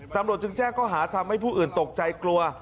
ตำรวจจึงแจ้งเขาหาทำให้ผู้อื่นตกใจกลัว